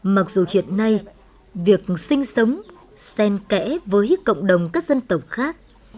mặc dù hiện nay việc sinh sống sen kẽ với cộng đồng các dân tộc khác